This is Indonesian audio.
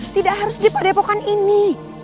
tidak harus di pada epokan ini